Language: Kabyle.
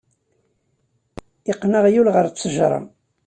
Iqqen aɣyul ɣer ttejra.